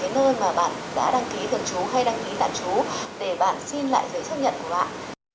nơi mà bạn đã đăng ký thường trú hay đăng ký tạm trú để bạn xin lại giấy xác nhận của bạn